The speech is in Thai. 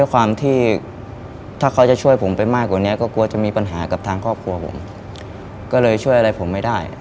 ก็เลยช่วยอะไรผมไม่ได้